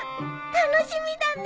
楽しみだね。